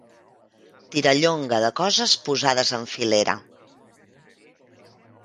Tirallonga de coses posades en filera.